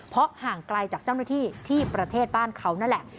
เพราะห่างไกลจากเจ้าหน้าที่ที่ประเทศบ้านเขานั่นแหละ